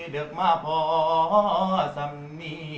เด็กมาพอสำมี